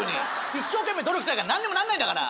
一生懸命努力しなきゃ何にもなんないんだから。